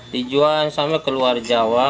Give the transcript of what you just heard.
dijual sama ke luar jawa